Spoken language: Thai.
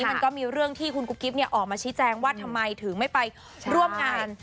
มันก็มีเรื่องที่คุณกุ๊กกิ๊บออกมาชี้แจงว่าทำไมถึงไม่ไปร่วมงาน